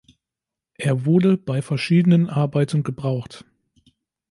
Er wurde bei verschiedenen Arbeiten gebraucht.